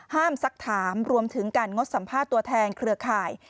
ซักถามรวมถึงการงดสัมภาษณ์ตัวแทนเครือข่าย